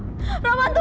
untuk pasangevery ini